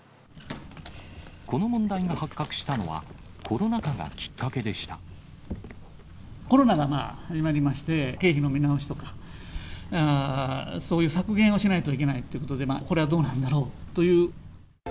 この問題が発覚したのは、コロナコロナが始まりまして、経費の見直しとか、そういう削減をしないといけないということで、これはどうなんだろうという。